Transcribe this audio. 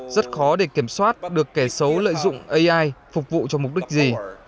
rất khó để kiểm soát được kẻ xấu lợi dụng ai phục vụ cho mục đích gì